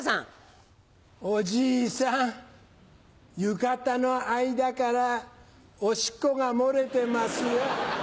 浴衣の間からおしっこが漏れてますよ。